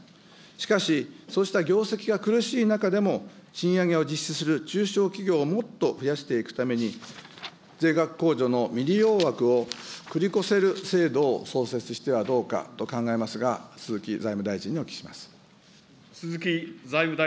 しかし、そうした業績が苦しい中でも、賃上げを実施する中小企業を増やしていくために、税額控除の未利用枠を繰り越せる制度を創設してはどうかと考えますが、鈴木財務大臣にお聞きします。